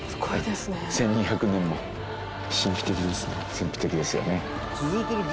神秘的ですよね。